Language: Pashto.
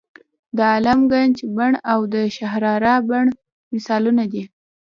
د عالم ګنج بڼ او د شهرارا بڼ مثالونه دي.